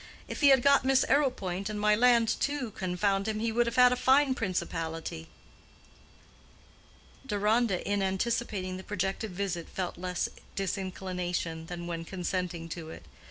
If he had got Miss Arrowpoint and my land too, confound him, he would have had a fine principality." Deronda, in anticipating the projected visit, felt less disinclination than when consenting to it.